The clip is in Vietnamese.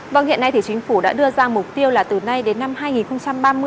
vâng hiện nay thì chính phủ đã đưa ra mục tiêu là từ nay đến năm hai nghìn ba mươi